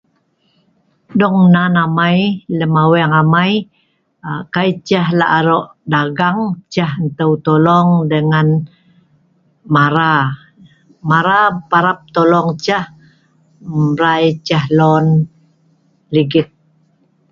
Dong nan amai lem aweeng amai, a kai ceh la' aro' dagang, Mara parap tolong ceh mrai ceh loan ligit.